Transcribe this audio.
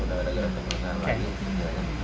udah ada yang berpengalaman lagi